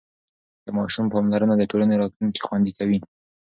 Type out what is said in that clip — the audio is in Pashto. د ماشوم پاملرنه د ټولنې راتلونکی خوندي کوي.